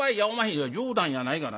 「いや冗談やないがな。